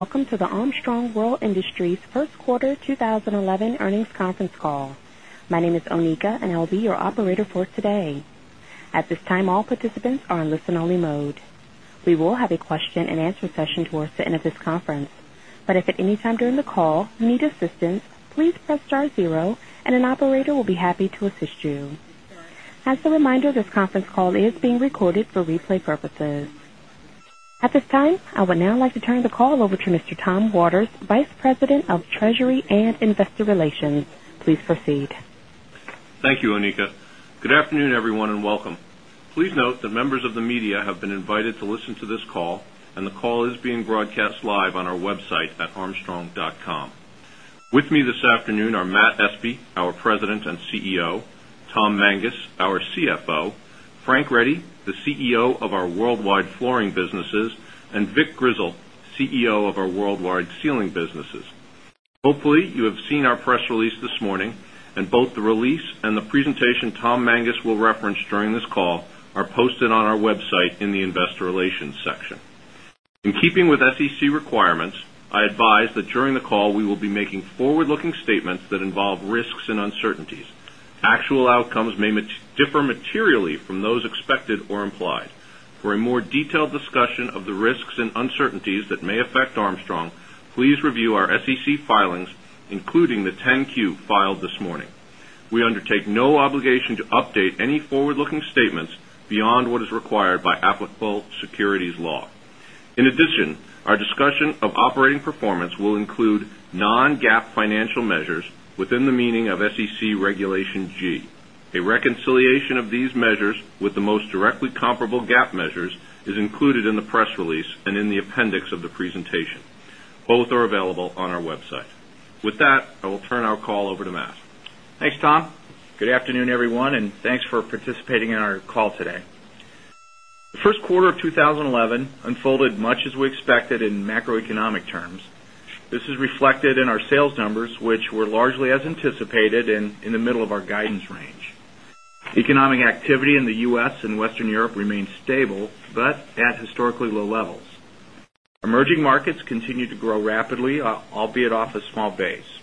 Welcome to the Armstrong World Industries First Quarter 2011 Earnings Conference Call. My name is Anika, and I'll be your operator for today. At this time, all participants are in listen-only mode. We will have a question and answer session towards the end of this conference, but if at any time during the call you need assistance, please press star zero, and an operator will be happy to assist you. As a reminder, this conference call is being recorded for replay purposes. At this time, I would now like to turn the call over to Mr. Thomas Waters, Vice President of Treasury and Investor Relations. Please proceed. Thank you, Anika. Good afternoon, everyone, and welcome. Please note that members of the media have been invited to listen to this call, and the call is being broadcast live on our website at armstrong.com. With me this afternoon are Matt Espe, our President and CEO, Tom Mangas, our CFO, Frank Ready, the CEO of our worldwide flooring businesses, and Vic Grizzle, CEO of our worldwide ceiling businesses. Hopefully, you have seen our press release this morning, and both the release and the presentation Tom Mangas will reference during this call are posted on our website in the Investor Relations section. In keeping with SEC requirements, I advise that during the call we will be making forward-looking statements that involve risks and uncertainties. Actual outcomes may differ materially from those expected or implied. For a more detailed discussion of the risks and uncertainties that may affect Armstrong World Industries, please review our SEC filings, including the 10-Q filed this morning. We undertake no obligation to update any forward-looking statements beyond what is required by applicable securities law. In addition, our discussion of operating performance will include non-GAAP financial measures within the meaning of SEC Regulation G. A reconciliation of these measures with the most directly comparable GAAP measures is included in the press release and in the appendix of the presentation. Both are available on our website. With that, I will turn our call over to Matt. Thanks, Tom. Good afternoon, everyone, and thanks for participating in our call today. The first quarter of 2011 unfolded much as we expected in macro-economic terms. This is reflected in our sales numbers, which were largely as anticipated and in the middle of our guidance range. Economic activity in the U.S. and Western Europe remains stable but at historically low levels. Emerging markets continue to grow rapidly, albeit off a small base.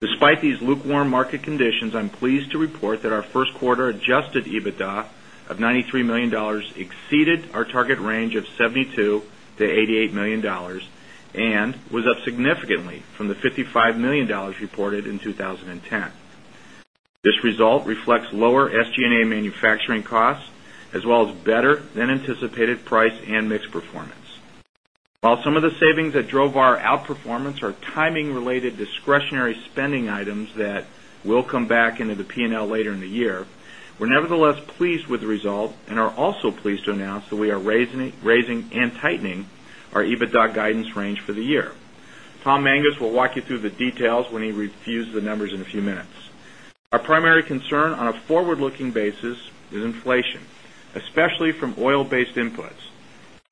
Despite these lukewarm market conditions, I'm pleased to report that our first quarter adjusted EBITDA of $93 million exceeded our target range of $72 million-$88 million and was up significantly from the $55 million reported in 2010. This result reflects lower SG&A manufacturing costs, as well as better-than-anticipated price and mix performance. While some of the savings that drove our outperformance are timing-related discretionary spending items that will come back into the P&L later in the year, we're nevertheless pleased with the result and are also pleased to announce that we are raising and tightening our EBITDA guidance range for the year. Tom Mangas will walk you through the details when he reviews the numbers in a few minutes. Our primary concern on a forward-looking basis is inflation, especially from oil-based inputs.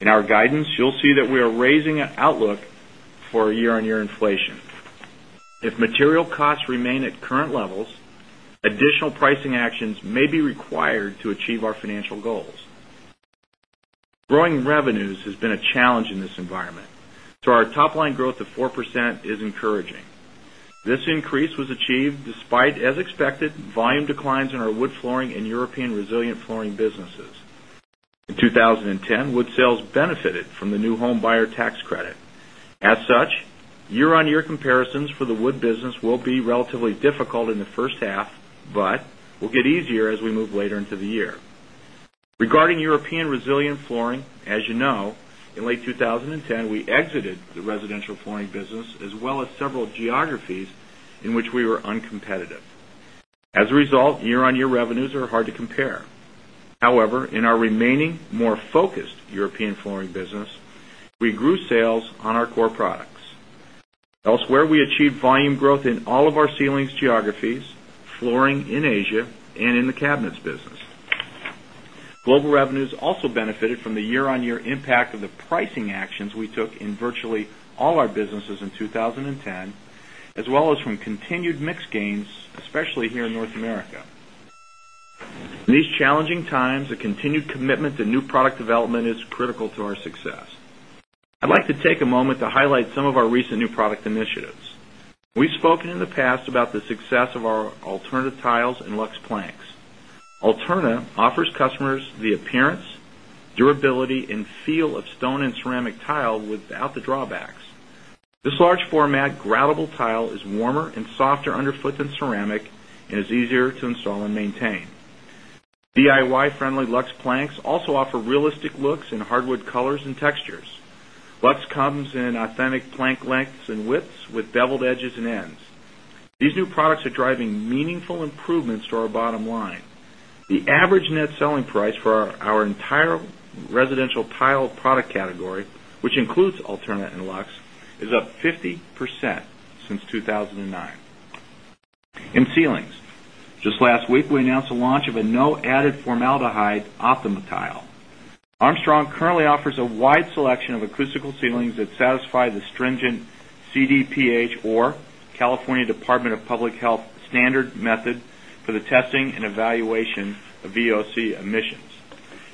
In our guidance, you'll see that we are raising an outlook for year-on-year inflation. If material costs remain at current levels, additional pricing actions may be required to achieve our financial goals. Growing revenues has been a challenge in this environment, so our top-line growth of 4% is encouraging. This increase was achieved despite, as expected, volume declines in our wood flooring and European resilient flooring businesses. In 2010, wood sales benefited from the new home buyer tax credit. As such, year-on-year comparisons for the wood business will be relatively difficult in the first half, but will get easier as we move later into the year. Regarding European resilient flooring, as you know, in late 2010, we exited the residential flooring business, as well as several geographies in which we were uncompetitive. As a result, year-on-year revenues are hard to compare. However, in our remaining, more focused European flooring business, we grew sales on our core products. Elsewhere, we achieved volume growth in all of our ceilings geographies, flooring in Asia, and in the cabinets business. Global revenues also benefited from the year-on-year impact of the pricing actions we took in virtually all our businesses in 2010, as well as from continued mix gains, especially here in North America. In these challenging times, a continued commitment to new product development is critical to our success. I'd like to take a moment to highlight some of our recent new product initiatives. We've spoken in the past about the success of our Alterna tiles and Luxe planks. Alterna offers customers the appearance, durability, and feel of stone and ceramic tile without the drawbacks. This large-format, groutable tile is warmer and softer underfoot than ceramic and is easier to install and maintain. DIY-friendly Luxe planks also offer realistic looks in hardwood colors and textures. Luxe comes in authentic plank lengths and widths with beveled edges and ends. These new products are driving meaningful improvements to our bottom line. The average net selling price for our entire residential tile product category, which includes Alterna and Luxe, is up 50% since 2009. In ceilings, just last week, we announced the launch of a no-added formaldehyde OPTIMA tile. Armstrong currently offers a wide selection of acoustical ceilings that satisfy the stringent CDPH or California Department of Public Health Standard Method for the testing and evaluation of VOC emissions.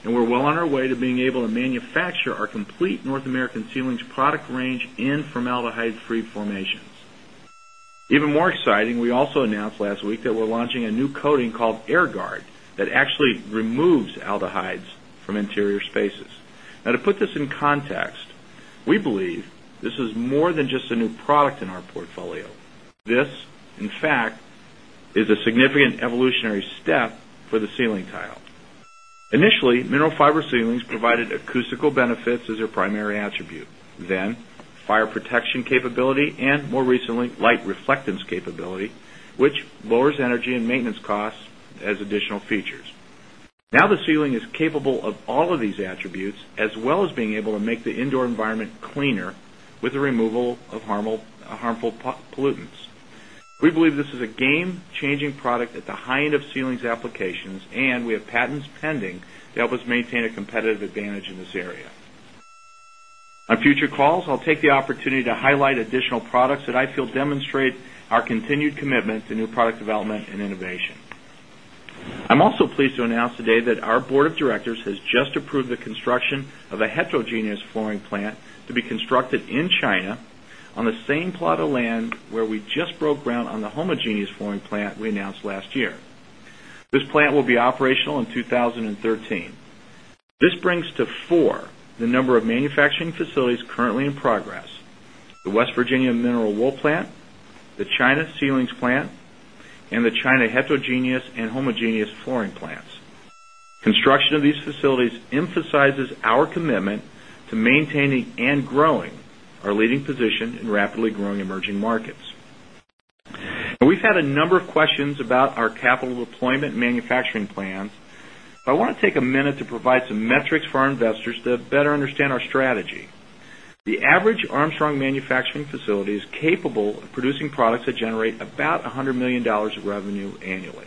We're well on our way to being able to manufacture our complete North American ceilings product range in formaldehyde-free formations. Even more exciting, we also announced last week that we're launching a new coating called AirGuard that actually removes aldehydes from interior spaces. To put this in context, we believe this is more than just a new product in our portfolio. This, in fact, is a significant evolutionary step for the ceiling tile. Initially, mineral fiber ceilings provided acoustical benefits as their primary attribute, then fire protection capability and, more recently, light reflectance capability, which lowers energy and maintenance costs as additional features. Now the ceiling is capable of all of these attributes, as well as being able to make the indoor environment cleaner with the removal of harmful pollutants. We believe this is a game-changing product at the high end of ceilings applications, and we have patents pending to help us maintain a competitive advantage in this area. On future calls, I'll take the opportunity to highlight additional products that I feel demonstrate our continued commitment to new product development and innovation. I'm also pleased to announce today that our Board of Directors has just approved the construction of a heterogeneous flooring plant to be constructed in China on the same plot of land where we just broke ground on the homogeneous flooring plant we announced last year. This plant will be operational in 2013. This brings to four the number of manufacturing facilities currently in progress: the West Virginia Mineral Wool Plant, the China Ceilings Plant, and the China Heterogeneous and Homogeneous Flooring Plants. Construction of these facilities emphasizes our commitment to maintaining and growing our leading position in rapidly growing emerging markets. We've had a number of questions about our capital deployment manufacturing plans, but I want to take a minute to provide some metrics for our investors to better understand our strategy. The average Armstrong manufacturing facility is capable of producing products that generate about $100 million of revenue annually.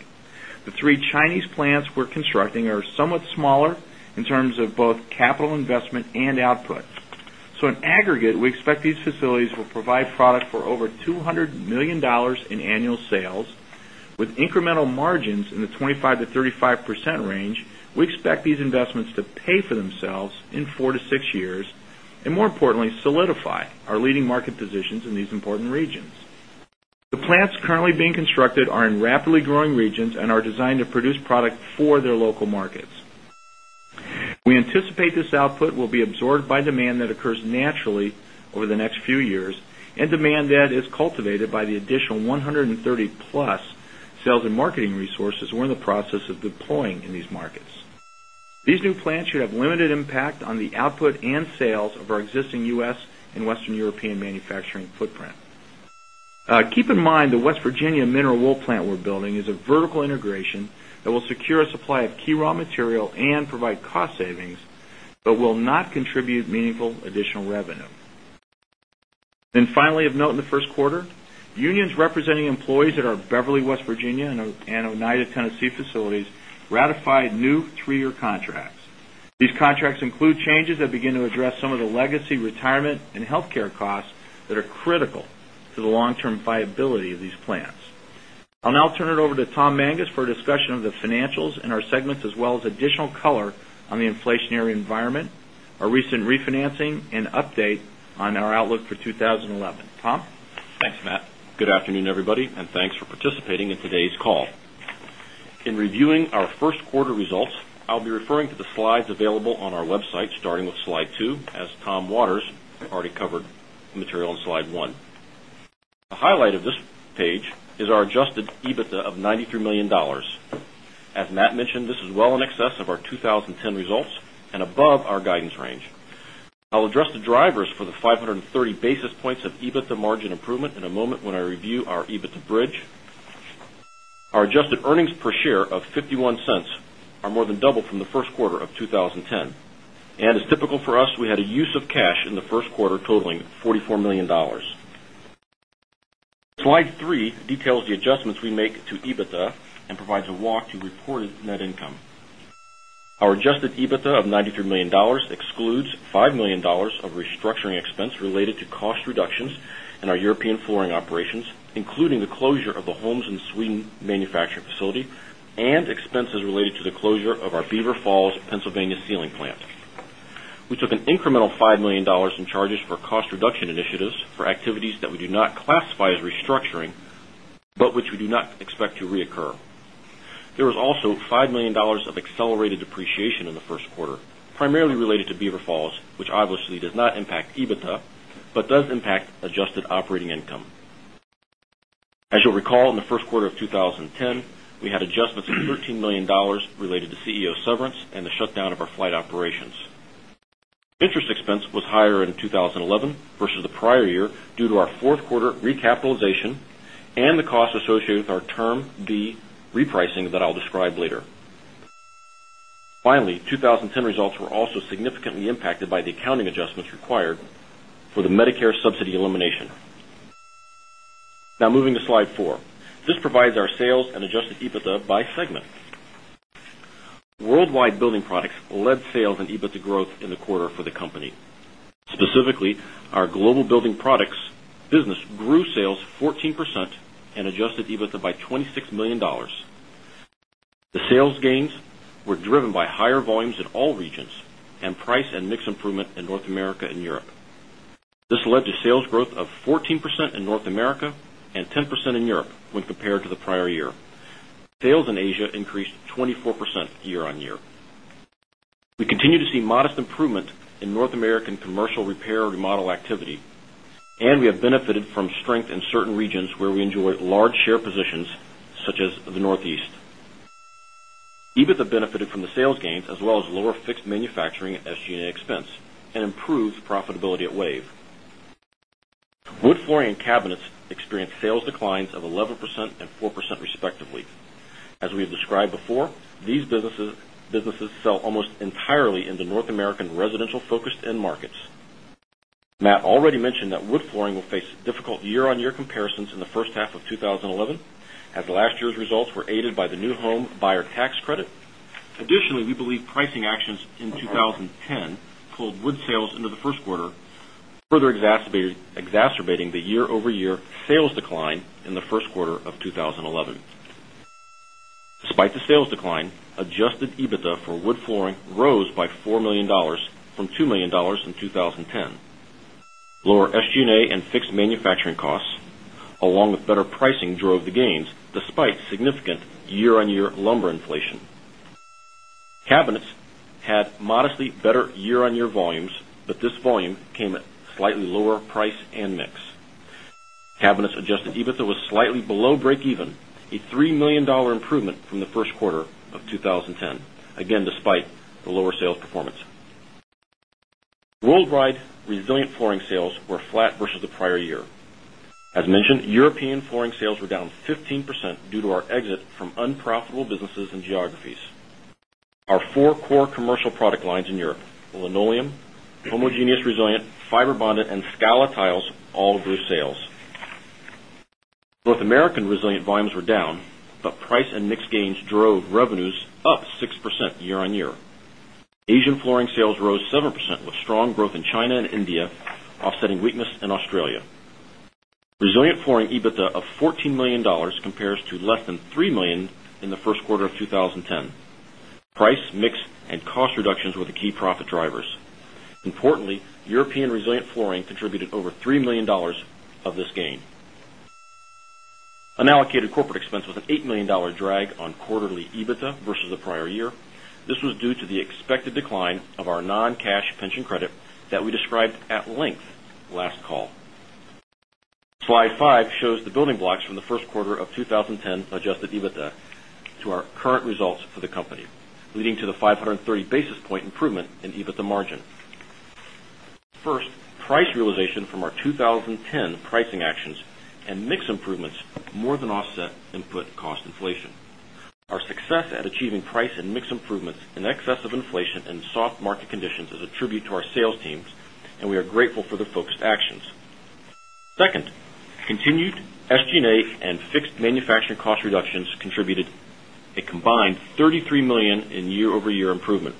The three Chinese plants we're constructing are somewhat smaller in terms of both capital investment and output. In aggregate, we expect these facilities will provide product for over $200 million in annual sales, with incremental margins in the 25%-35% range. We expect these investments to pay for themselves in 4-6 years and, more importantly, solidify our leading market positions in these important regions. The plants currently being constructed are in rapidly growing regions and are designed to produce product for their local markets. We anticipate this output will be absorbed by demand that occurs naturally over the next few years and demand that is cultivated by the additional 130+ sales and marketing resources we're in the process of deploying in these markets. These new plants should have limited impact on the output and sales of our existing U.S. and Western European manufacturing footprint. Keep in mind the West Virginia Mineral Wool Plant we're building is a vertical integration that will secure a supply of key raw material and provide cost savings, but will not contribute meaningful additional revenue. Finally, of note in the first quarter, unions representing employees at our Beverly, West Virginia, and Oneida, Tennessee facilities ratified new three-year contracts. These contracts include changes that begin to address some of the legacy retirement and healthcare costs that are critical to the long-term viability of these plants. I'll now turn it over to Tom Mangas for a discussion of the financials in our segments, as well as additional color on the inflationary environment, our recent refinancing, and update on our outlook for 2011. Tom? Thanks, Matt. Good afternoon, everybody, and thanks for participating in today's call. In reviewing our first quarter results, I'll be referring to the slides available on our website, starting with slide two, as Tom Waters already covered material on Slide 1. A highlight of this page is our adjusted EBITDA of $93 million. As Matt mentioned, this is well in excess of our 2010 results and above our guidance range. I'll address the drivers for the 530 basis points of EBITDA margin improvement in a moment when I review our EBITDA bridge. Our adjusted earnings per share of $0.51 are more than doubled from the first quarter of 2010. As typical for us, we had a use of cash in the first quarter totaling $44 million. Slide 3 details the adjustments we make to EBITDA and provides a walk to reported net income. Our adjusted EBITDA of $93 million excludes $5 million of restructuring expense related to cost reductions in our European flooring operations, including the closure of the Holmsund in Sweden manufacturing facility, and expenses related to the closure of our Beaver Falls, Pennsylvania ceiling plant. We took an incremental $5 million in charges for cost reduction initiatives for activities that we do not classify as restructuring, but which we do not expect to reoccur. There was also $5 million of accelerated depreciation in the first quarter, primarily related to Beaver Falls, which obviously does not impact EBITDA, but does impact adjusted operating income. As you'll recall, in the first quarter of 2010, we had adjustments of $13 million related to CEO severance and the shutdown of our flight operations. Interest expense was higher in 2011 versus the prior year due to our fourth quarter recapitalization and the costs associated with our Term B repricing that I'll describe later. Finally, 2010 results were also significantly impacted by the accounting adjustments required for the Medicare subsidy elimination. Now, moving to Slide 4, this provides our sales and adjusted EBITDA by segments. Worldwide building products led sales and EBITDA growth in the quarter for the company. Specifically, our global building products business grew sales 14% and adjusted EBITDA by $26 million. The sales gains were driven by higher volumes in all regions and price and mix improvement in North America and Europe. This led to sales growth of 14% in North America and 10% in Europe when compared to the prior year. Sales in Asia increased 24% year-on-year. We continue to see modest improvement in North American commercial repair and remodel activity, and we have benefited from strength in certain regions where we enjoy large share positions, such as the Northeast. EBITDA benefited from the sales gains, as well as lower fixed manufacturing SG&A expense and improved profitability at WAVE. Wood flooring and cabinets experienced sales declines of 11% and 4% respectively. As we have described before, these businesses sell almost entirely in the North American residential-focused end markets. Matt already mentioned that wood flooring will face difficult year-on-year comparisons in the first half of 2011, as last year's results were aided by the new home buyer tax credit. Additionally, we believe pricing actions in 2010 pulled wood sales into the first quarter, further exacerbating the year-over-year sales decline in the first quarter of 2011. Despite the sales decline, adjusted EBITDA for wood flooring rose by $4 million from $2 million in 2010. Lower SG&A and fixed manufacturing costs, along with better pricing, drove the gains, despite significant year-on-year lumber inflation. Cabinets had modestly better year-on-year volumes, but this volume came at slightly lower price and mix. Cabinets' adjusted EBITDA was slightly below break-even, a $3 million improvement from the first quarter of 2010, again despite the lower sales performance. Worldwide resilient flooring sales were flat versus the prior year. As mentioned, European flooring sales were down 15% due to our exit from unprofitable businesses and geographies. Our four core commercial product lines in Europe: linoleum, homogeneous resilient, fiber bonded, and scala tiles all grew sales. North American resilient volumes were down, but price and mix gains drove revenues up 6% year-on-year. Asian flooring sales rose 7% with strong growth in China and India, offsetting weakness in Australia. Resilient flooring EBITDA of $14 million compares to less than $3 million in the first quarter of 2010. Price, mix, and cost reductions were the key profit drivers. Importantly, European resilient flooring contributed over $3 million of this gain. An allocated corporate expense was an $8 million drag on quarterly EBITDA versus the prior year. This was due to the expected decline of our non-cash pension credit that we described at length last call. Slide 5 shows the building blocks from the first quarter of 2010's adjusted EBITDA to our current results for the company, leading to the 530 basis point improvement in EBITDA margin. First, price realization from our 2010 pricing actions and mix improvements more than offset input cost inflation. Our success at achieving price and mix improvements in excess of inflation and soft market conditions is a tribute to our sales teams, and we are grateful for their focused actions. Second, continued SG&A and fixed manufacturing cost reductions contributed a combined $33 million in year-over-year improvement.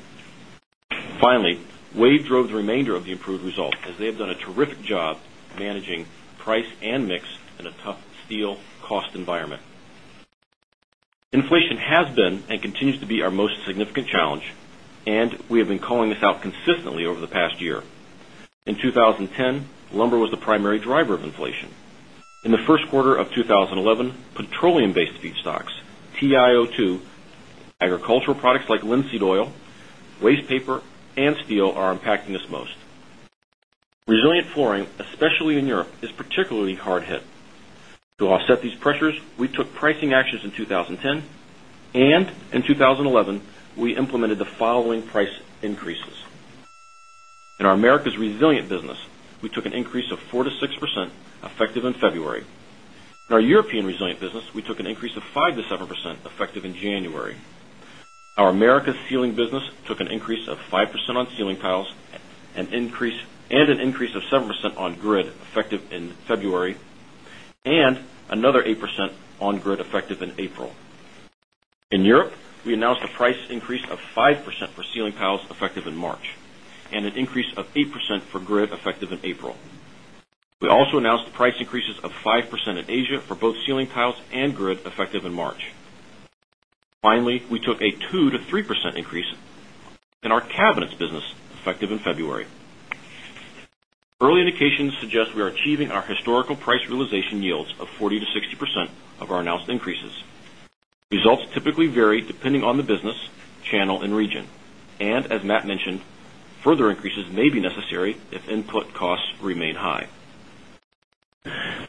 Finally, WAVE drove the remainder of the improved result, as they have done a terrific job managing price and mix in a tough steel cost environment. Inflation has been and continues to be our most significant challenge, and we have been calling this out consistently over the past year. In 2010, lumber was the primary driver of inflation. In the first quarter of 2011, petroleum-based feedstocks, TiO2, agricultural products like linseed oil, waste paper, and steel are impacting us most. Resilient flooring, especially in Europe, is particularly hard hit. To offset these pressures, we took pricing actions in 2010, and in 2011, we implemented the following price increases. In our America's resilient business, we took an increase of 4%-6% effective in February. In our European resilient business, we took an increase of 5%-7% effective in January. Our America ceiling business took an increase of 5% on ceiling tiles and an increase of 7% on grid effective in February, and another 8% on grid effective in April. In Europe, we announced a price increase of 5% for ceiling tiles effective in March and an increase of 8% for grid effective in April. We also announced price increases of 5% in Asia for both ceiling tiles and grid effective in March. Finally, we took a 2%-3% increase in our cabinets business effective in February. Early indications suggest we are achieving our historical price realization yields of 40%-60% of our announced increases. Results typically vary depending on the business, channel, and region. As Matt mentioned, further increases may be necessary if input costs remain high.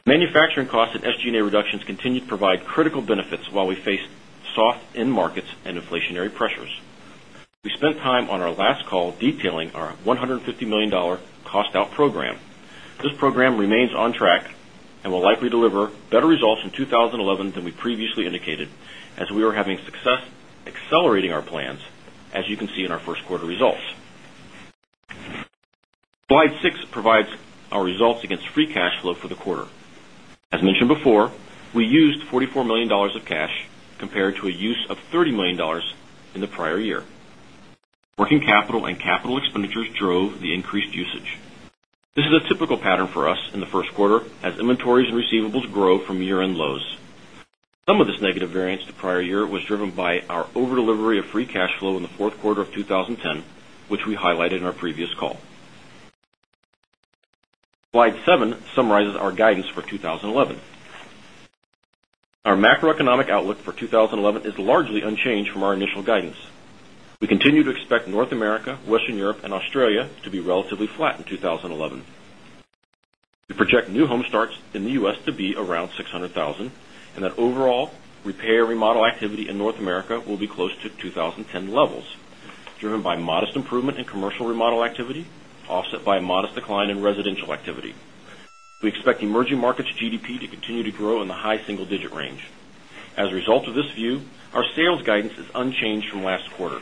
Manufacturing costs and SG&A reductions continue to provide critical benefits while we face soft end markets and inflationary pressures. We spent time on our last call detailing our $150 million cost-out program. This program remains on track and will likely deliver better results in 2011 than we previously indicated, as we were having success accelerating our plans, as you can see in our first quarter results. Slide 6 provides our results against free cash flow for the quarter. As mentioned before, we used $44 million of cash compared to a use of $30 million in the prior year. Working capital and capital expenditures drove the increased usage. This is a typical pattern for us in the first quarter, as inventories and receivables grow from year-end lows. Some of this negative variance the prior year was driven by our over-delivery of free cash flow in the fourth quarter of 2010, which we highlighted in our previous call. Slide 7 summarizes our guidance for 2011. Our macro-economic outlook for 2011 is largely unchanged from our initial guidance. We continue to expect North America, Western Europe, and Australia to be relatively flat in 2011. We project new home starts in the U.S. to be around $600,000 and that overall repair and remodel activity in North America will be close to 2010 levels, driven by modest improvement in commercial remodel activity, offset by a modest decline in residential activity. We expect emerging markets GDP to continue to grow in the high single-digit range. As a result of this view, our sales guidance is unchanged from last quarter.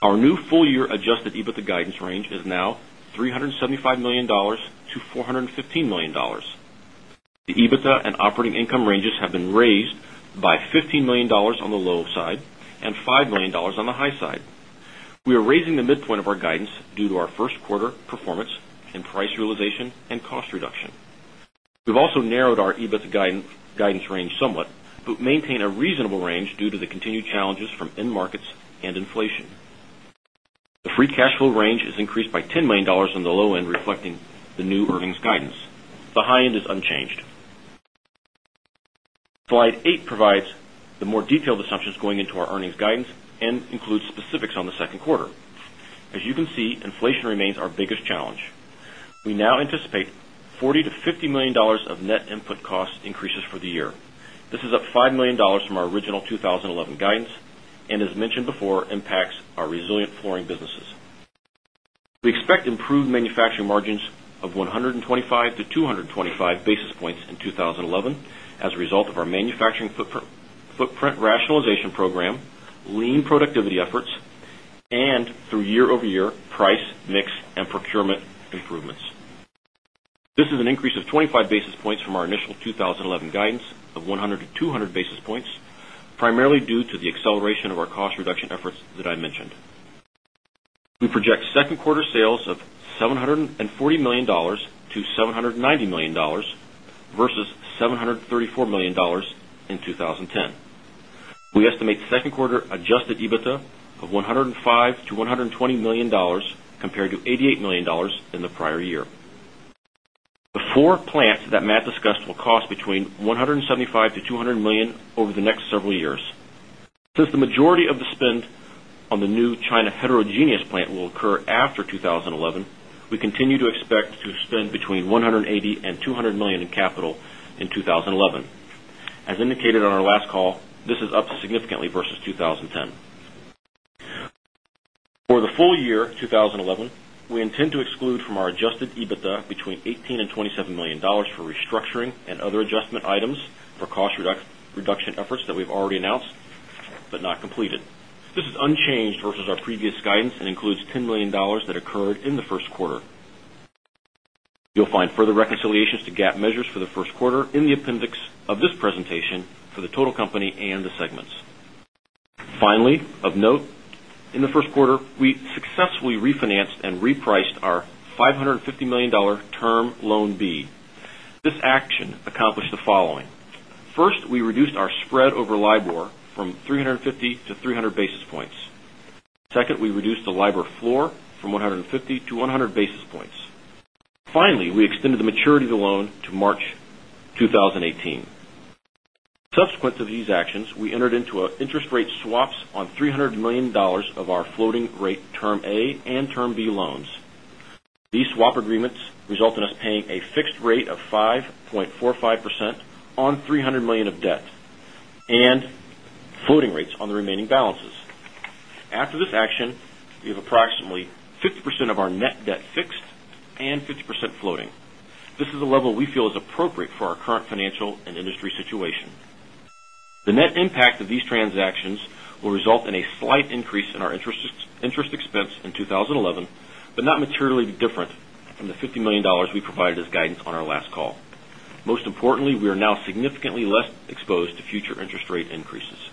Our new full-year adjusted EBITDA guidance range is now $375 million-$415 million. The EBITDA and operating income ranges have been raised by $15 million on the low side and $5 million on the high side. We are raising the midpoint of our guidance due to our first quarter performance in price realization and cost reduction. We've also narrowed our EBITDA guidance range somewhat, but maintain a reasonable range due to the continued challenges from end markets and inflation. The free cash flow range is increased by $10 million on the low end, reflecting the new earnings guidance. The high end is unchanged. Slide eight provides the more detailed assumptions going into our earnings guidance and includes specifics on the second quarter. As you can see, inflation remains our biggest challenge. We now anticipate $40 million-$50 million of net input cost increases for the year. This is up $5 million from our original 2011 guidance and, as mentioned before, impacts our resilient flooring businesses. We expect improved manufacturing margins of 125 basis points-225 basis points in 2011 as a result of our manufacturing footprint rationalization program, lean productivity efforts, and through year-over-year price, mix, and procurement improvements. This is an increase of 25 basis points from our initial 2011 guidance of 100 basis points-200 basis points, primarily due to the acceleration of our cost reduction efforts that I mentioned. We project second quarter sales of $740 million-$790 million versus $734 million in 2010. We estimate second quarter adjusted EBITDA of $105 million-$120 million compared to $88 million in the prior year. The four plants that Matt discussed will cost between $175 million-$200 million over the next several years. Since the majority of the spend on the new China heterogeneous plant will occur after 2011, we continue to expect to spend between $180 million and $200 million in capital in 2011. As indicated on our last call, this is up significantly versus 2010. For the full year 2011, we intend to exclude from our adjusted EBITDA between $18 million and $27 million for restructuring and other adjustment items for cost reduction efforts that we've already announced but not completed. This is unchanged versus our previous guidance and includes $10 million that occurred in the first quarter. You'll find further reconciliations to GAAP measures for the first quarter in the appendix of this presentation for the total company and the segments. Finally, of note, in the first quarter, we successfully refinanced and repriced our $550 million Term Loan B. This action accomplished the following: first, we reduced our spread over LIBOR from 350 basis points-300 basis points. Second, we reduced the LIBOR floor from 150 basis points-100 basis points. Finally, we extended the maturity of the loan to March 2018. Subsequent to these actions, we entered into interest rate swaps on $300 million of our floating rate Term A and Term B loans. These swap agreements result in us paying a fixed rate of 5.45% on $300 million of debt and floating rates on the remaining balances. After this action, we have approximately 50% of our net debt fixed and 50% floating. This is a level we feel is appropriate for our current financial and industry situation. The net impact of these transactions will result in a slight increase in our interest expense in 2011, but not materially different from the $50 million we provided as guidance on our last call. Most importantly, we are now significantly less exposed to future interest rate increases.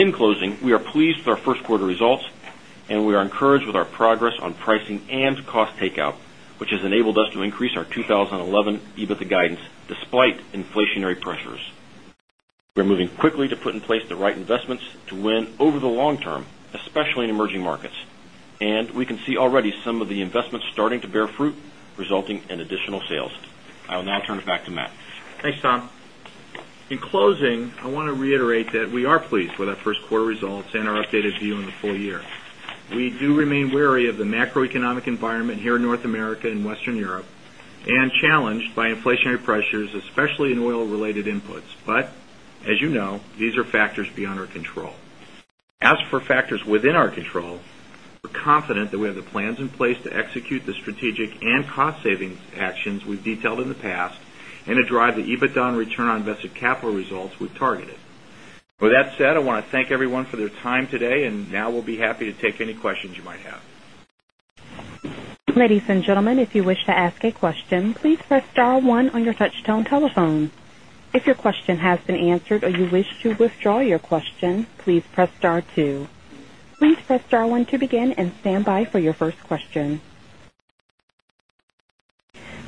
In closing, we are pleased with our first quarter results, and we are encouraged with our progress on pricing and cost takeout, which has enabled us to increase our 2011 EBITDA guidance despite inflationary pressures. We are moving quickly to put in place the right investments to win over the long term, especially in emerging markets. We can see already some of the investments starting to bear fruit, resulting in additional sales. I will now turn it back to Matt. Thanks, Tom. In closing, I want to reiterate that we are pleased with our first quarter results and our updated view on the full year. We do remain wary of the macroeconomic environment here in North America and Western Europe and challenged by inflationary pressures, especially in oil-related inputs. As you know, these are factors beyond our control. As for factors within our control, we're confident that we have the plans in place to execute the strategic and cost savings actions we've detailed in the past and to drive the EBITDA on return on invested capital results we've targeted. With that said, I want to thank everyone for their time today, and now we'll be happy to take any questions you might have. Ladies and gentlemen, if you wish to ask a question, please press star one on your touch-tone telephone. If your question has been answered or you wish to withdraw your question, please press star two. Please press star one to begin and stand by for your first question.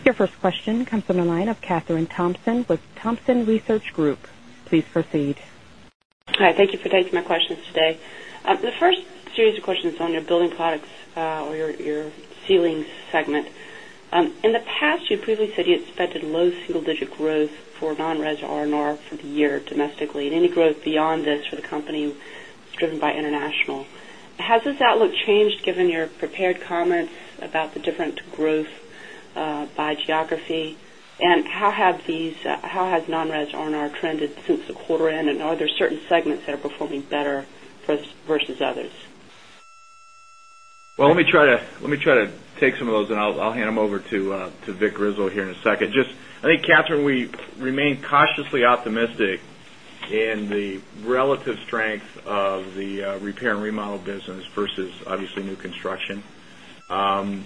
Your first question comes from the line of Kathryn Thompson with Thompson Research Group. Please proceed. Hi. Thank you for taking my questions today. The first series of questions is on your building products or your Ceilings segment. In the past, you previously said you expected low single-digit growth for non-res R&R for the year domestically, and any growth beyond this for the company is driven by international. Has this outlook changed given your prepared comments about the different growth by geography? How has non-res R&R trended since the quarter ended, and are there certain segments that are performing better versus others? Let me try to take some of those, and I'll hand them over to Vic Grizzle here in a second. I think, Kathryn, we remain cautiously optimistic in the relative strength of the repair and remodel business versus, obviously, new construction. The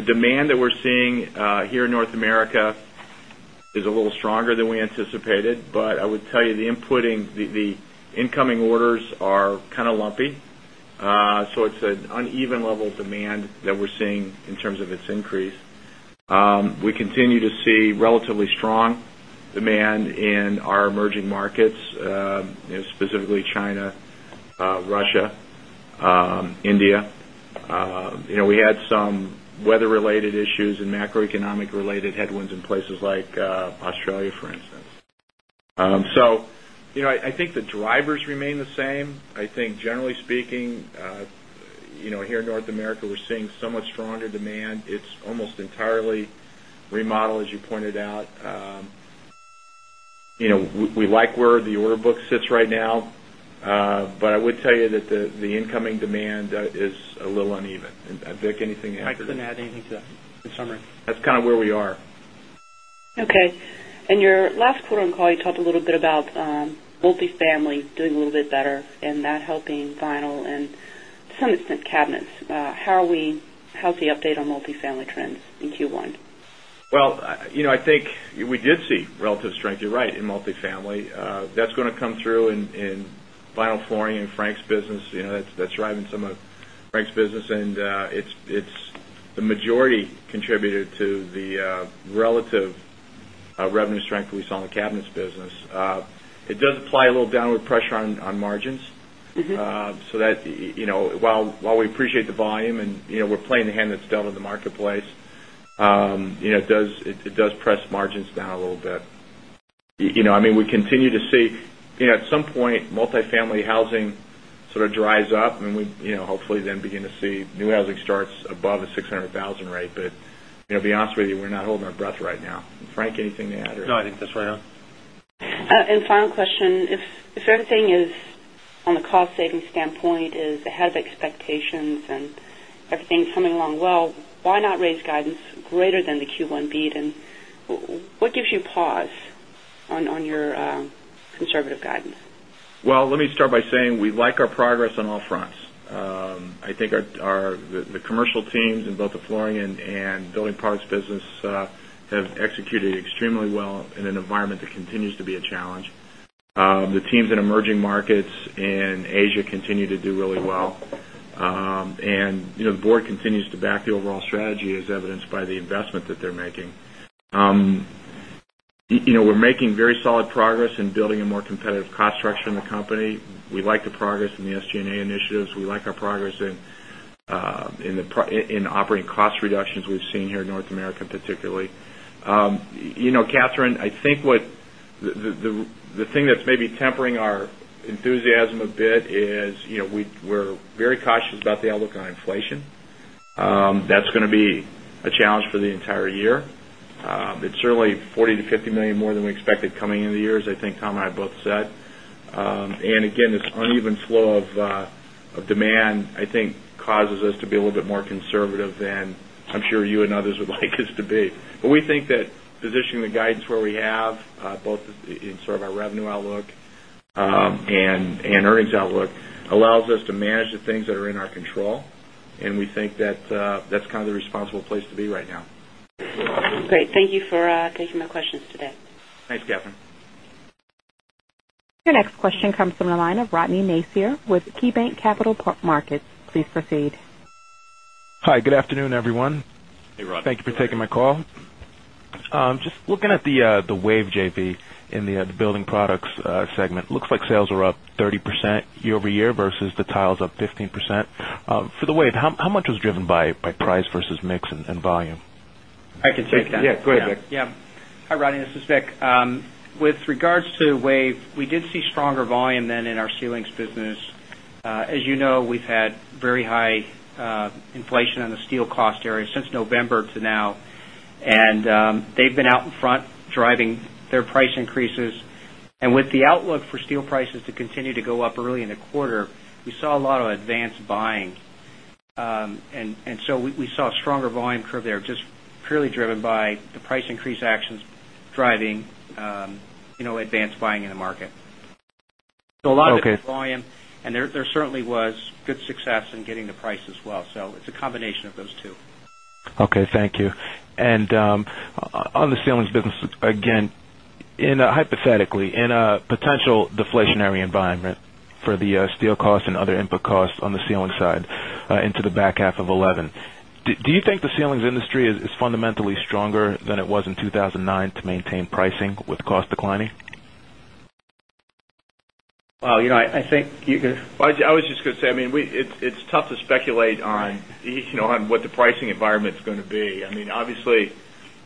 demand that we're seeing here in North America is a little stronger than we anticipated, but I would tell you the inputting, the incoming orders are kind of lumpy. It's an uneven level of demand that we're seeing in terms of its increase. We continue to see relatively strong demand in our emerging markets, specifically China, Russia, India. We had some weather-related issues and macro-economic-related headwinds in places like Australia, for instance. I think the drivers remain the same. Generally speaking, here in North America, we're seeing somewhat stronger demand. It's almost entirely remodel, as you pointed out. We like where the order book sits right now, but I would tell you that the incoming demand is a little uneven. Vic, anything to add? I just did not add anything to that in summary. That's kind of where we are. Okay. In your last quarter on call, you talked a little bit about multifamily doing a little bit better and that helping vinyl and, to some extent, cabinets. How's the update on multifamily trends in Q1? I think we did see relative strength, you're right, in multifamily. That's going to come through in vinyl flooring and Frank's business. That's driving some of Frank's business, and it's the majority contributor to the relative revenue strength that we saw in the cabinets business. It does apply a little downward pressure on margins. While we appreciate the volume and we're playing the hand that's dealt in the marketplace, it does press margins down a little bit. I mean, we continue to see, at some point, multifamily housing sort of dries up, and we hopefully then begin to see new housing starts above a $600,000 rate. To be honest with you, we're not holding our breath right now. Frank, anything to add? No, I think that's right on. Final question, if everything is on the cost-saving standpoint, is ahead of expectations and everything's coming along well, why not raise guidance greater than the Q1 beat? What gives you pause on your conservative guidance? Let me start by saying we like our progress on all fronts. I think the commercial teams in both the flooring and building products business have executed extremely well in an environment that continues to be a challenge. The teams in emerging markets and Asia continue to do really well. You know the board continues to back the overall strategy, as evidenced by the investment that they're making. We're making very solid progress in building a more competitive cost structure in the company. We like the progress in the SG&A initiatives. We like our progress in operating cost reductions we've seen here in North America, particularly. Kathryn, I think what the thing that's maybe tempering our enthusiasm a bit is, you know, we're very cautious about the outlook on inflation. That's going to be a challenge for the entire year. It's certainly $40 million-$50 million more than we expected coming into the year, I think Tom and I both said. Again, this uneven flow of demand, I think, causes us to be a little bit more conservative than I'm sure you and others would like us to be. We think that positioning the guidance where we have, both in sort of our revenue outlook and earnings outlook, allows us to manage the things that are in our control. We think that that's kind of the responsible place to be right now. Great. Thank you for taking my questions today. Thanks, Katherine. Your next question comes from the line of Rodny Nacier with KeyBanc Capital Markets. Please proceed. Hi. Good afternoon, everyone. Hey, Rafe. Thank you for taking my call. I'm just looking at the WAVE JV in the building products segment. It looks like sales are up 30% year-over-year versus the tiles up 15%. For the WAVE, how much was driven by price versus mix and volume? I can take that. Yeah, go ahead, Vic. Yeah. Hi, Rafe. This is Vic. With regards to WAVE, we did see stronger volume than in our Ceilings business. As you know, we've had very high inflation in the steel cost area since November to now. They've been out in front driving their price increases. With the outlook for steel prices to continue to go up early in the quarter, we saw a lot of advanced buying. We saw a stronger volume curve there, just purely driven by the price increase actions driving advanced buying in the market. A lot of volume, and there certainly was good success in getting the price as well. It's a combination of those two. Okay. Thank you. On the ceilings business, again, hypothetically, in a potential deflationary environment for the steel costs and other input costs on the ceiling side into the back half of 2011, do you think the ceilings industry is fundamentally stronger than it was in 2009 to maintain pricing with cost declining? I think. I was just going to say, I mean, it's tough to speculate on, you know, what the pricing environment's going to be. I mean, obviously,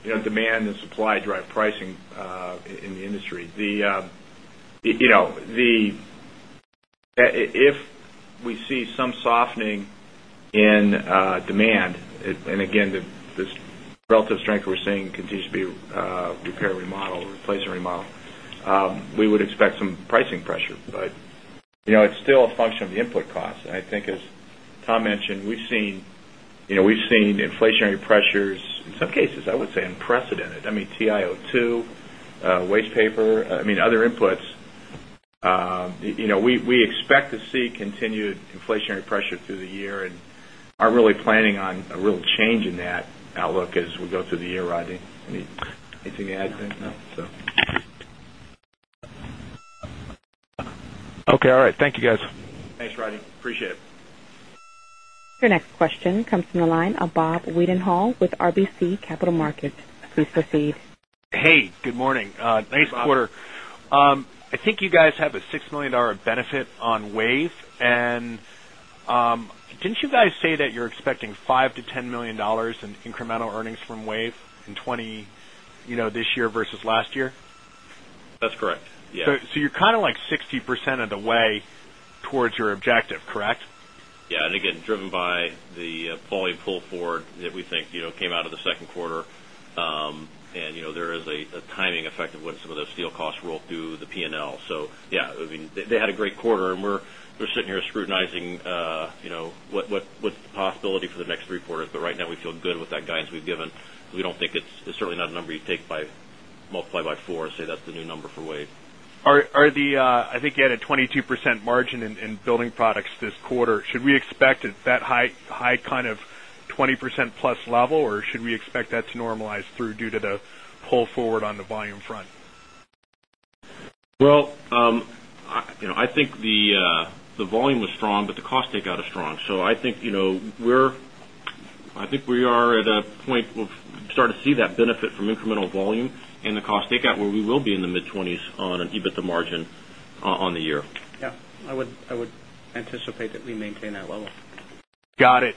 you know, demand and supply drive pricing in the industry. If we see some softening in demand, and again, this relative strength we're seeing continues to be repair and remodel, replace and remodel, we would expect some pricing pressure. You know, it's still a function of the input costs. I think, as Tom mentioned, we've seen, you know, we've seen inflationary pressures, in some cases, I would say, unprecedented. I mean, TiO2, waste paper, other inputs. You know, we expect to see continued inflationary pressure through the year and aren't really planning on a real change in that outlook as we go through the year, Rafe. Anything to add? Okay. All right. Thank you, guys. Thanks, Rafe. Appreciate it. Your next question comes from the line of Bob Wethenhall with RBC Capital Markets. Please proceed. Hey, good morning. Hi, Bob. Nice quarter. I think you guys have a $6 million benefit on WAVE. Didn't you guys say that you're expecting $5 million-$10 million in incremental earnings from WAVE in 2020, you know, this year versus last year? That's correct, yeah. You're kind of like 60% of the way towards your objective, correct? Yeah, again, driven by the volley pull forward that we think, you know, came out of the second quarter. There is a timing effect of when some of those steel costs roll through the P&L. Yeah, I mean, they had a great quarter, and we're sitting here scrutinizing, you know, what's the possibility for the next three quarters. Right now, we feel good with that guidance we've given. We don't think it's certainly not a number you take by multiply by four and say that's the new number for WAVE. I think you had a 22% margin in Building products this quarter. Should we expect that high kind of 20% plus level, or should we expect that to normalize through due to the pull forward on the volume front? I think the volume was strong, but the cost takeout is strong. I think we are at a point where we're starting to see that benefit from incremental volume and the cost takeout, where we will be in the mid-20s on an EBITDA margin on the year. Yeah, I would anticipate that we maintain that level. Got it.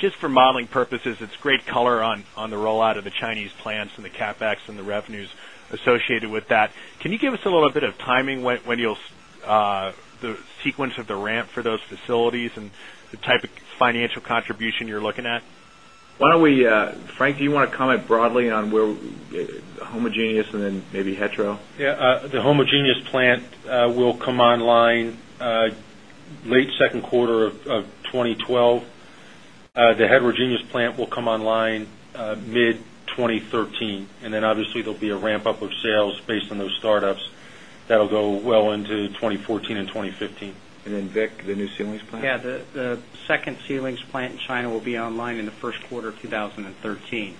Just for modeling purposes, it's great color on the rollout of the Chinese plants and the CapEx and the revenues associated with that. Can you give us a little bit of timing when you'll see the sequence of the ramp for those facilities and the type of financial contribution you're looking at? Why don't we, Frank, do you want to comment broadly on where the homogeneous and then maybe hetero? Yeah. The homogeneous plant will come online late second quarter of 2012. The heterogeneous plant will come online mid-2013. Obviously, there'll be a ramp up of sales based on those startups that'll go well into 2014 and 2015. Vic, the new ceilings plant? Yeah. The second ceilings plant in China will be online in the first quarter of 2013.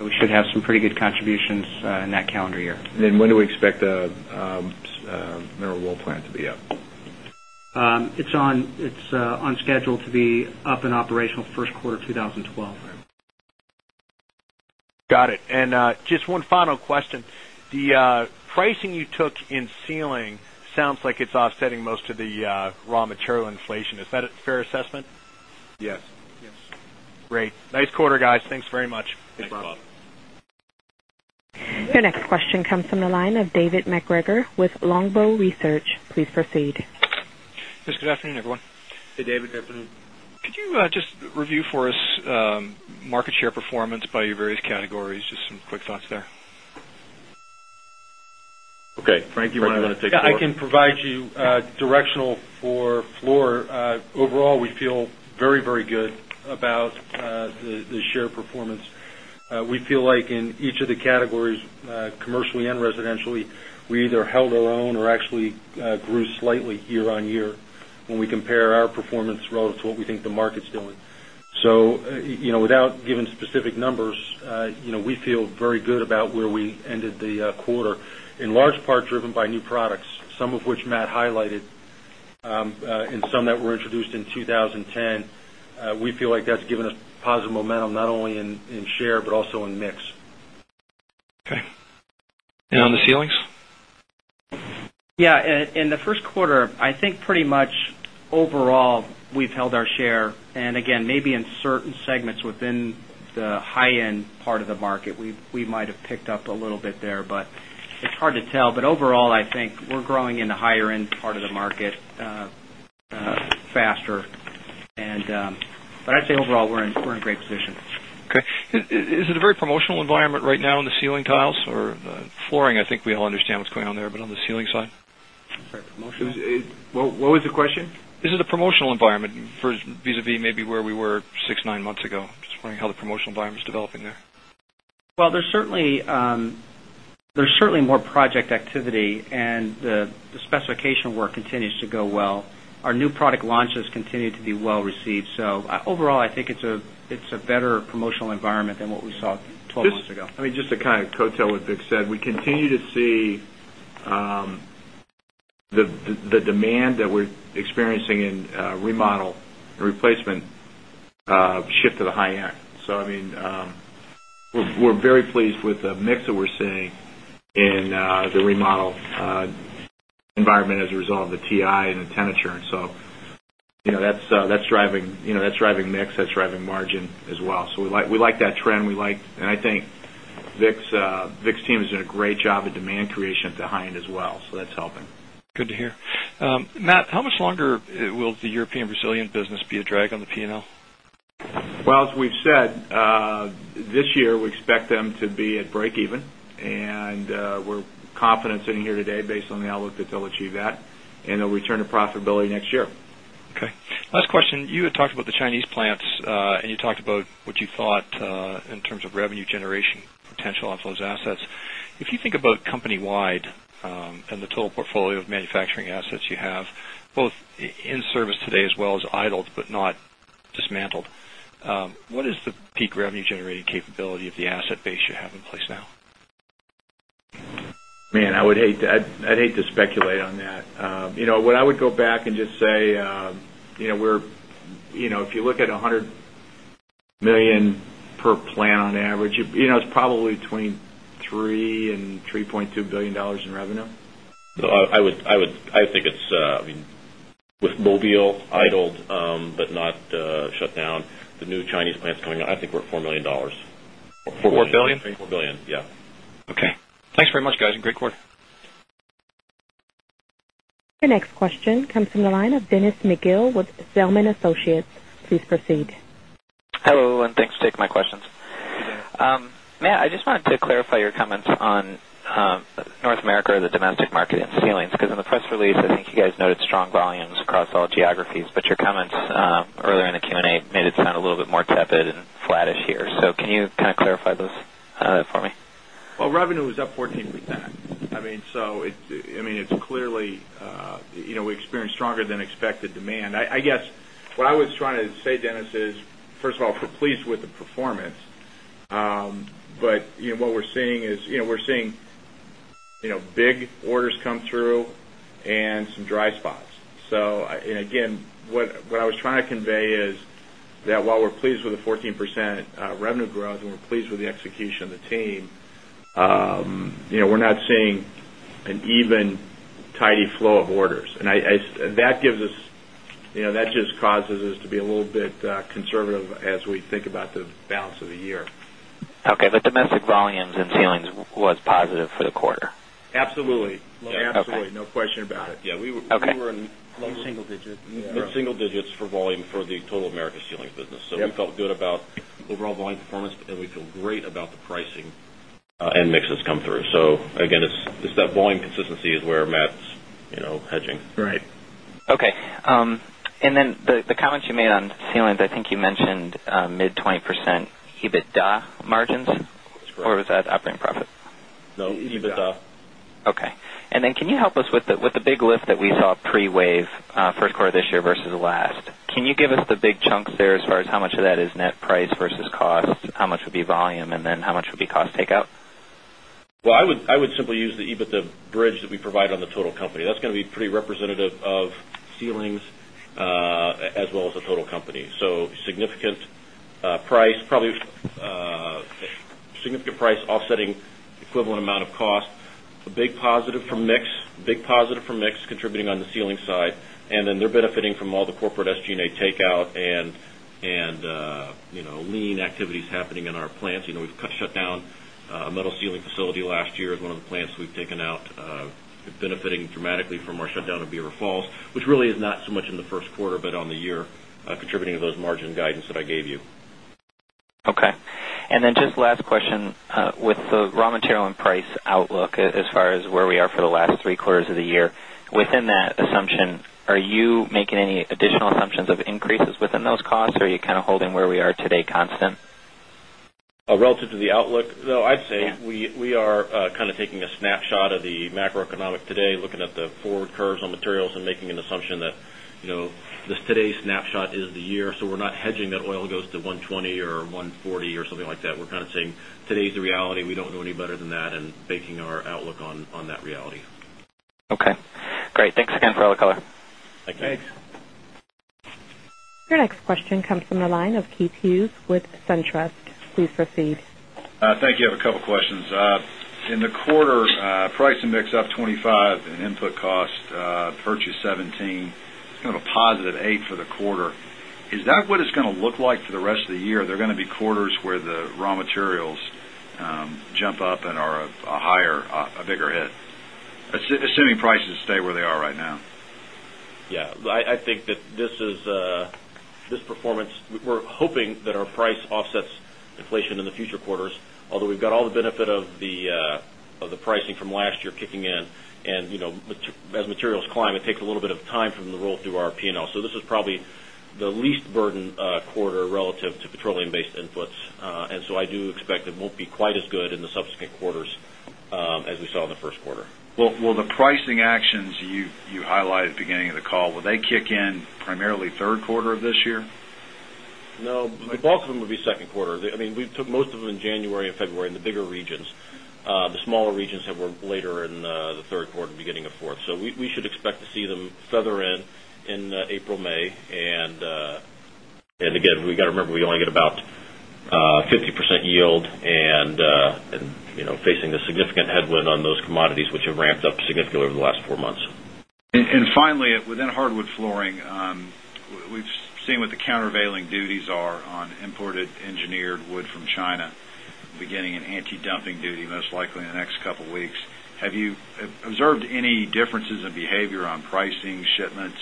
We should have some pretty good contributions in that calendar year. When do we expect the mineral wool plant to be up? It's on schedule to be up and operational first quarter of 2012. Got it. Just one final question. The pricing you took in ceiling sounds like it's offsetting most of the raw material inflation. Is that a fair assessment? Yes. Great. Nice quarter, guys. Thanks very much. Thanks, Bob. Your next question comes from the line of David McGregor with Longbow Research. Please proceed. Good afternoon, everyone. Hey, David. Good afternoon. Could you just review for us market share performance by your various categories? Just some quick thoughts there. Okay, Frank, you might want to take that. I can provide you directional for floor. Overall, we feel very, very good about the share performance. We feel like in each of the categories, commercially and residentially, we either held alone or actually grew slightly year-on-year when we compare our performance relative to what we think the market's doing. Without giving specific numbers, we feel very good about where we ended the quarter, in large part driven by new products, some of which Matt highlighted and some that were introduced in 2010. We feel like that's given us positive momentum not only in share but also in mix. Okay. And on the ceilings? Yeah. In the first quarter, I think pretty much overall we've held our share. Again, maybe in certain segments within the high-end part of the market, we might have picked up a little bit there, but it's hard to tell. Overall, I think we're growing in the higher-end part of the market faster. I'd say overall we're in great position. Okay. Is it a very promotional environment right now in the ceiling tiles or flooring? I think we all understand what's going on there, but on the ceiling side? Sorry, promotion? What was the question? Is it a promotional environment vis-à-vis maybe where we were six, nine months ago? I'm just wondering how the promotional environment is developing there. There is certainly more project activity, and the specification work continues to go well. Our new product launches continue to be well received. Overall, I think it's a better promotional environment than what we saw 12 months ago. I mean, just to kind of co-tail what Vic said, we continue to see the demand that we're experiencing in remodel and replacement shift to the high end. I mean, we're very pleased with the mix that we're seeing in the remodel environment as a result of the TI and the tenature. That's driving mix, that's driving margin as well. We like that trend. We like, and I think Vic's team has done a great job at demand creation at the high end as well. That's helping. Good to hear. Matt, how much longer will the European resilient business be a drag on the P&L? As we've said, this year we expect them to be at break-even, and we're confident sitting here today based on the outlook that they'll achieve that and they'll return to profitability next year. Okay. Last question. You had talked about the Chinese plants, and you talked about what you thought in terms of revenue generation potential off those assets. If you think about company-wide and the total portfolio of manufacturing assets you have, both in service today as well as idled but not dismantled, what is the peak revenue-generating capability of the asset base you have in place now? I would hate to speculate on that. You know, what I would go back and just say, if you look at $100 million per plant on average, it's probably between $3 billion and $3.2 billion in revenue. I think it's, I mean, with mobile idled but not shut down, the new Chinese plants going on, I think we're at $4 million. $4 billion? I think $4 billion. Yeah. Okay. Thanks very much, guys, and great quarter. Your next question comes from the line of Dennis McGill with Zelman & Associates. Please proceed. Hello and thanks for taking my questions. You bet. Matt, I just wanted to clarify your comments on North America or the domestic market and ceilings, because in the press release, I think you guys noted strong volumes across all geographies, but your comments earlier in the Q&A made it sound a little bit more tepid and flattish here. Can you kind of clarify those for me? Revenue is up 14%. Clearly, you know, we experienced stronger than expected demand. I guess what I was trying to say, Dennis, is, first of all, pleased with the performance. You know, what we're seeing is, you know, big orders come through and some dry spots. Again, what I was trying to convey is that while we're pleased with the 14% revenue growth and we're pleased with the execution of the team, you know, we're not seeing an even tidy flow of orders. That gives us, you know, that just causes us to be a little bit conservative as we think about the balance of the year. Domestic volumes in ceilings was positive for the quarter. Absolutely. Absolutely. No question about it. Yeah, we were in. Low single digit. We're in single digits for volume for the total America ceiling business. We felt good about overall volume performance, and we feel great about the pricing and mix that's come through. It's that volume consistency is where Matt's hedging. Right. Okay. The comments you made on ceilings, I think you mentioned mid-20% EBITDA margins. That's correct. Or was that operating profit? No, EBITDA. Okay. Can you help us with the big lift that we saw pre-WAVE first quarter of this year versus the last? Can you give us the big chunk there as far as how much of that is net price versus costs, how much would be volume, and how much would be cost takeout? I would simply use the EBITDA bridge that we provide on the total company. That's going to be pretty representative of ceilings as well as the total company. Significant price, probably significant price offsetting equivalent amount of cost. A big positive from mix, big positive from mix contributing on the ceiling side. They're benefiting from all the corporate SG&A takeout and, you know, lean activities happening in our plants. We've shut down a metal ceiling facility last year as one of the plants we've taken out, benefiting dramatically from our shutdown of Beaver Falls, which really is not so much in the first quarter, but on the year, contributing to those margin guidance that I gave you. Okay. Just last question. With the raw material and price outlook as far as where we are for the last three quarters of the year, within that assumption, are you making any additional assumptions of increases within those costs, or are you kind of holding where we are today constant? Relative to the outlook, I'd say we are kind of taking a snapshot of the macro-economic today, looking at the forward curves on materials and making an assumption that, you know, this today's snapshot is the year. We're not hedging that oil goes to $120 or $140 or something like that. We're kind of saying today's the reality. We don't know any better than that and baking our outlook on that reality. Okay. Great. Thanks again for all the color. Thanks. Your next question comes from the line of Keith Hughes with SunTrust. Please proceed. Thank you. I have a couple of questions. In the quarter, price and mix up $25 and input cost purchase $17, kind of a +$8 for the quarter. Is that what it's going to look like for the rest of the year? Are there going to be quarters where the raw materials jump up and are a higher, a bigger hit, assuming prices stay where they are right now? I think that this is this performance, we're hoping that our price offsets inflation in the future quarters, although we've got all the benefit of the pricing from last year kicking in. As materials climb, it takes a little bit of time for them to roll through our P&L. This is probably the least burden quarter relative to petroleum-based inputs. I do expect it won't be quite as good in the subsequent quarters as we saw in the first quarter. The pricing actions you highlighted at the beginning of the call, will they kick in primarily third quarter of this year? No, but bulk of them will be second quarter. I mean, we took most of them in January and February in the bigger regions. The smaller regions have worked later in the third quarter, beginning of fourth. We should expect to see them southern end in April, May. We got to remember we only get about 50% yield, and, you know, facing a significant headwind on those commodities, which have ramped up significantly over the last four months. Within hardwood flooring, we've seen what the countervailing duties are on imported engineered wood from China, beginning an anti-dumping duty most likely in the next couple of weeks. Have you observed any differences in behavior on pricing shipments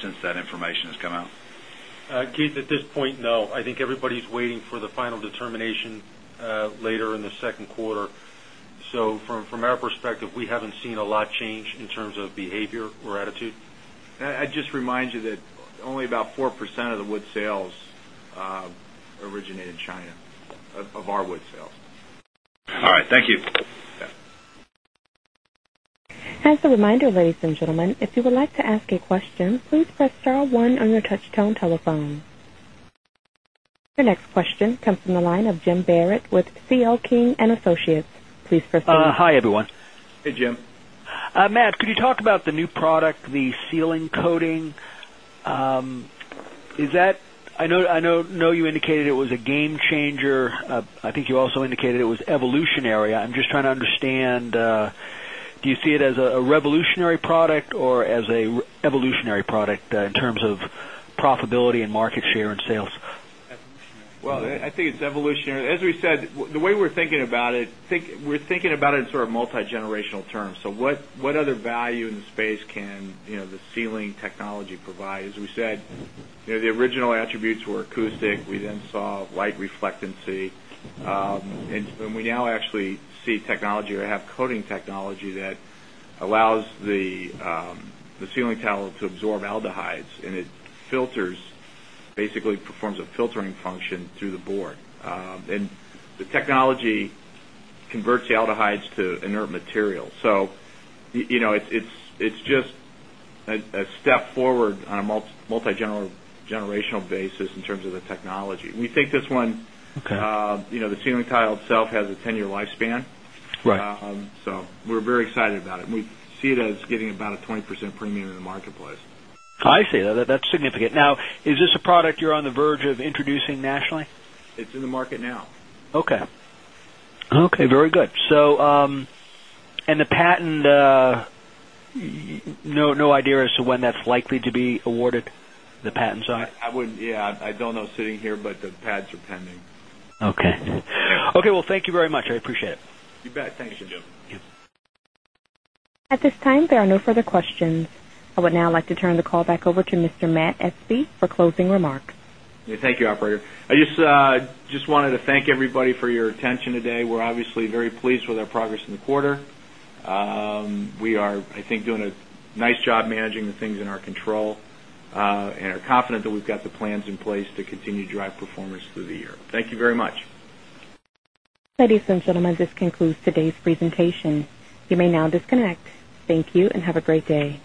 since that information has come out? At this point, no. I think everybody's waiting for the final determination later in the second quarter. From our perspective, we haven't seen a lot change in terms of behavior or attitude. I'd just remind you that only about 4% of the wood sales originate in China, of our wood sales. All right. Thank you. As a reminder, ladies and gentlemen, if you would like to ask a question, please press star one on your touch-tone telephone. Your next question comes from the line of Jim Barrett with C.L. King and Associates. Please proceed. Hi, everyone. Hey, Jim. Matt, could you talk about the new product, the ceiling coating? Is that, I know you indicated it was a game changer. I think you also indicated it was evolutionary. I'm just trying to understand, do you see it as a revolutionary product or as an evolutionary product in terms of profitability and market share and sales? I think it's evolutionary. As we said, the way we're thinking about it, we're thinking about it in sort of multi-generational terms. What other value in the space can the ceiling technology provide? As we said, you know, the original attributes were acoustic. We then saw light reflectancy. When we now actually see technology or have coating technology that allows the ceiling tile to absorb aldehydes, it filters, basically performs a filtering function through the board. The technology converts the aldehydes to inert material. It's just a step forward on a multi-generational basis in terms of the technology. We think this one, you know, the ceiling tile itself has a 10-year lifespan. Right. We are very excited about it, and we see it as getting about a 20% premium in the marketplace. I see. That's significant. Now, is this a product you're on the verge of introducing nationally? It's in the market now. Okay. Very good. The patent, no idea as to when that's likely to be awarded, the patent side? I don't know sitting here, but the patents are pending. Okay. Thank you very much. I appreciate it. You bet. Thanks, Jim. Jim. At this time, there are no further questions. I would now like to turn the call back over to Mr. Matt Espe for closing remarks. Thank you, operator. I just wanted to thank everybody for your attention today. We're obviously very pleased with our progress in the quarter. We are, I think, doing a nice job managing the things in our control and are confident that we've got the plans in place to continue to drive performance through the year. Thank you very much. Ladies and gentlemen, this concludes today's presentation. You may now disconnect. Thank you and have a great day.